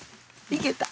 いけた！